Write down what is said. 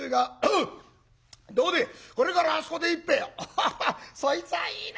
「ハハハそいつはいいなあ」。